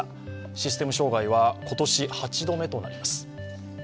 システム障害は今年８度目となります。